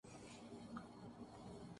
اس کا آغاز حسن ظن سے ہو گا۔